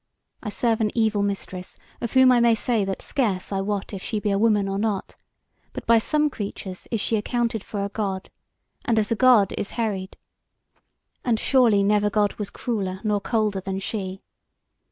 I serve an evil mistress, of whom I may say that scarce I wot if she be a woman or not; but by some creatures is she accounted for a god, and as a god is heried; and surely never god was crueller nor colder than she.